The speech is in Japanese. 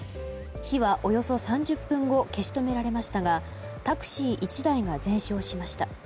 火はおよそ３０分後消し止められましたがタクシー１台が全焼しました。